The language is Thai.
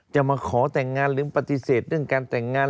จะมาขอแต่งงานหรือปฏิเสธเรื่องการแต่งงาน